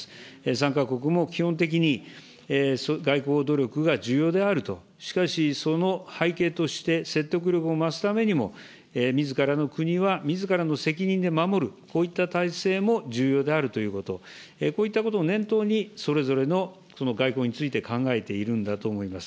参加国も基本的に、外交努力が重要であると、しかしその背景として説得力を増すためにも、みずからの国はみずからの責任で守る、こういった体制も重要であるということ、こういったことを念頭に、それぞれの外交について考えているんだと思います。